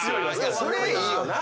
それいいよな。